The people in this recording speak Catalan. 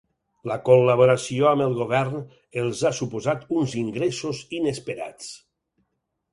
La col·laboració amb el Govern els ha suposat uns ingressos inesperats.